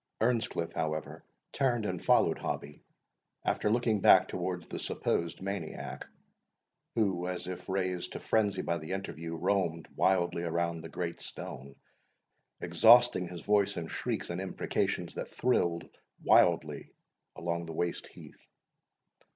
Earnscliff, however, turned and followed Hobbie, after looking back towards the supposed maniac, who, as if raised to frenzy by the interview, roamed wildly around the great stone, exhausting his voice in shrieks and imprecations, that thrilled wildly along the waste heath.